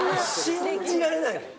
信じられないもん。